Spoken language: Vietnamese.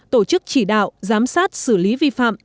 tổ chức chỉ đạo giám sát xử lý vi phạm